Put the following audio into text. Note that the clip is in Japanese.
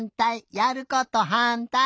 やることはんたい！